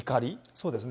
そうですね。